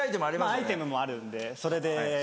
アイテムもあるんでそれで。